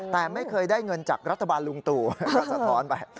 แต่ไม่เคยได้เงินจากรัฐบาลลุงตู่ก็สะท้อนไป